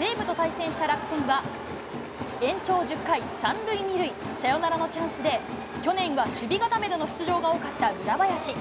西武と対戦した楽天は、延長１０回、３塁２塁、サヨナラのチャンスで、去年は守備固めでの出場が多かった村林。